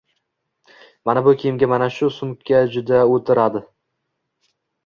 Mana bu kiyimga mana bu sumka juda oʻtiradi